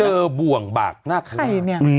เจอบ่วงบากน่าเคย